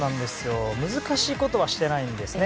難しいことはしていないんですね。